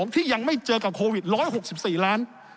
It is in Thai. ที่ยังไม่เจอกับโควิด๑๖๔ล้าน